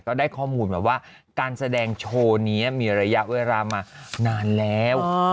ได้ข้อมูลมาว่าการแสดงโชว์นี้มีระยะเวลามานานแล้ว